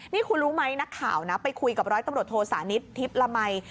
นี่คุณรู้ไหมนักข่าวนะไปคุยกับร้อยตำรวจโทสานิททิพย์ละมัย